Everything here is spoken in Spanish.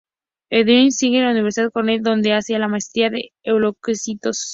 Edith sigue en la Universidad Cornell, donde hace la maestría en leucocitos.